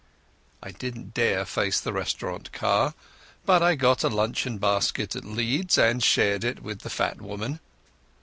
I didn't dare face the restaurant car, but I got a luncheon basket at Leeds and shared it with the fat woman.